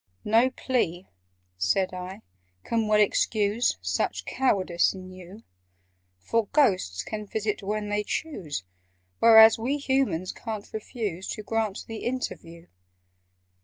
"No plea," said I, "can well excuse Such cowardice in you: For Ghosts can visit when they choose, Whereas we Humans ca'n't refuse To grant the interview."